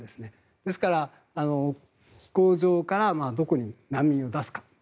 ですから、飛行場からどこに難民を出すか。